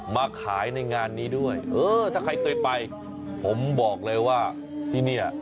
มาขายในงานนี้ด้วยเออถ้าใครเคยไปผมบอกเลยว่าที่เนี่ย